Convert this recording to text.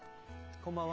こんばんは。